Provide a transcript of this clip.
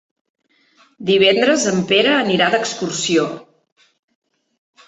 Divendres en Pere anirà d'excursió.